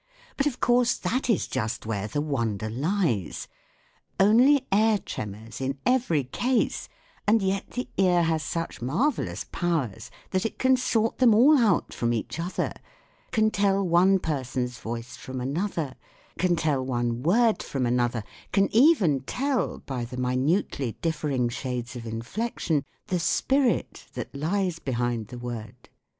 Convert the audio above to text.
But of course that is just where the wonder lies ; only air tremors in every case, and yet the ear has such marvellous powers that it can sort them all out from each other, can tell one person's voice from another, can tell one word from another, can even tell by the minutely differing shades of inflection the spirit that lies behind the word.